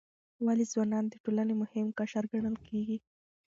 ولې ځوانان د ټولنې مهم قشر ګڼل کیږي؟